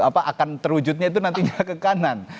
apa akan terwujudnya itu nantinya ke kanan